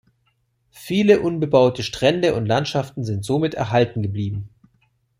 Viele unbebaute Strände und Landschaften sind somit erhalten geblieben.